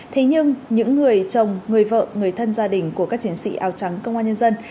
thế nhưng những người chồng người vợ người thân gia đình của các chiến sĩ áo trắng công an nhân dân